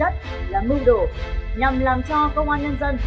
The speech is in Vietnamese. tuần khẳng định rằng